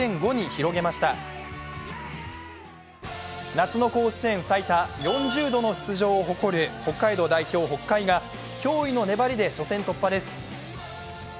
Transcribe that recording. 夏の甲子園最多４０度の出場を誇る北海道代表・北海が脅威の粘りで初戦突破です。